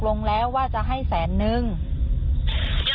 อย่าหาว่าผมไม่เตือนนะ